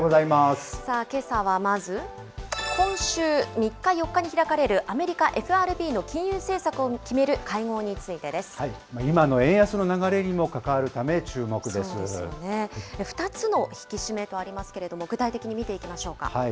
けさはまず、今週３日、４日に開かれるアメリカ・ＦＲＢの金融政策を決める会合について今の円安の流れにも関わるた２つの引き締めとありますけれども、具体的に見ていきましょうか。